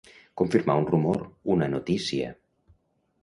Confirmar un rumor, una notícia.